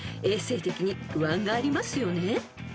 衛生的に不安がありますよね］